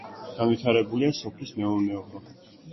განვითარებულია სოფლის მეურნეობა.